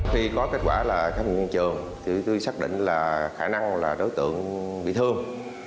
khi có kết quả là khách hàng trường thì tôi xác định là khả năng là đối tượng bị thương